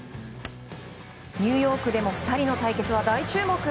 ニューヨークでも２人の対決は大注目。